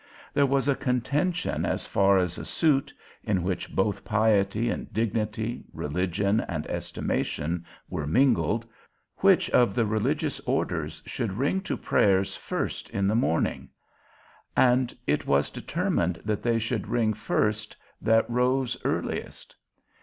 There was a contention as far as a suit (in which both piety and dignity, religion and estimation, were mingled), which of the religious orders should ring to prayers first in the morning; and it was determined, that they should ring first that rose earliest.